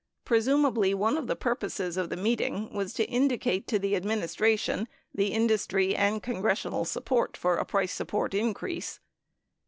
14 Presumably, one of the purposes of the meeting was to indicate to the administration the industry and congressional support for a price support increase.